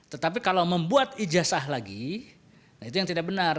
tetapi kalau membuat ijasa lagi itu yang tidak benar